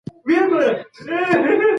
د بهرنیو اړیکو مدیریت کي نیمګړتیاوې نه سته.